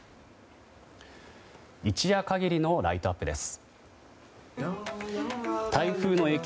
一夜限りのライトアップです。